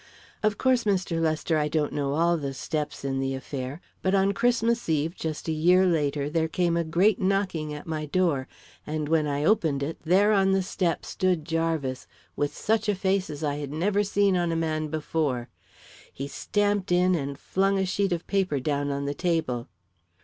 "Of course, Mr. Lester, I don't know all the steps in the affair; but on Christmas Eve, just a year later, there came a great knocking at my door, and when I opened it, there on the step stood Jarvis, with such a face as I had never seen on a man before. He stamped in and flung a sheet of paper down on the table.